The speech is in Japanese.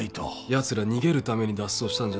やつら逃げるために脱走したんじゃない。